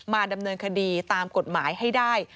ดำเนินคดีตามกฎหมายให้ได้